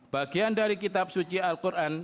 bagian dari kitab suci al quran